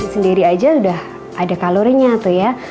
sendiri aja udah ada kalorinya tuh ya